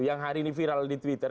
yang hari ini viral di twitter